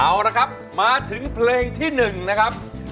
เอาละครับมาถึงเพลงที่๑นะครับ